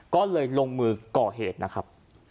ก็เลยลงมือก่อเหตุนะครับ